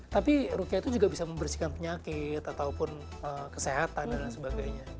tapi rukiah itu juga bisa membersihkan penyakit ataupun kesehatan dan lain sebagainya